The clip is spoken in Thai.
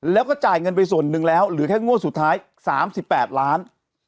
แล้วก็จ่ายเงินไปส่วนหนึ่งแล้วหรือแค่โง่สุดท้ายสามสิบแปดล้าน